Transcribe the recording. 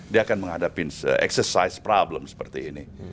dia akan menghadapi exercise problem seperti ini